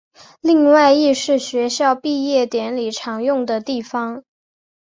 另外亦是学校毕业典礼常用的地方。